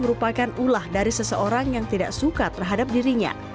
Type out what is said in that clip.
merupakan ulah dari seseorang yang tidak suka terhadap dirinya